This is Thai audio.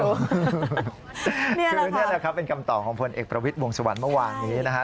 คือนี่แหละครับเป็นคำตอบของผลเอกประวิทย์วงสุวรรณเมื่อวานนี้นะฮะ